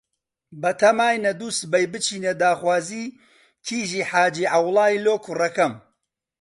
بەتاماینە دووسبەی بچینە داخوازی کیژی حاجی عەوڵای لۆ کوڕەکەم.